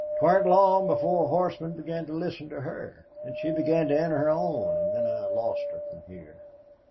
'Twan't long before horsemen began to listen to her, and she began to enter her own and then I lost her from here.